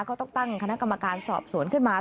ก็ต้องตั้งคณะกรรมการสอบสวนขึ้นมา